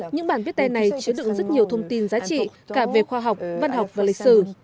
những bản viết tay này chứa đựng rất nhiều thông tin giá trị cả về khoa học văn học và lịch sử